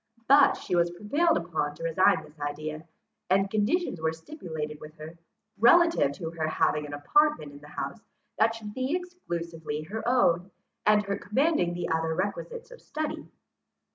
But she was prevailed upon to resign this idea, and conditions were stipulated with her, relative to her having an apartment in the house that should be exclusively her own, and her commanding the other requisites of study.